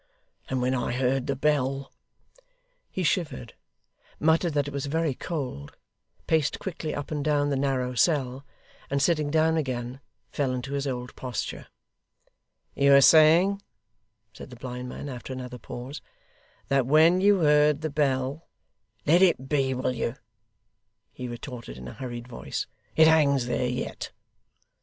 and when I heard the Bell ' He shivered; muttered that it was very cold; paced quickly up and down the narrow cell; and sitting down again, fell into his old posture. 'You were saying,' said the blind man, after another pause, 'that when you heard the Bell ' 'Let it be, will you?' he retorted in a hurried voice. 'It hangs there yet.